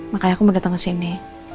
makanya aku mau datang ke sini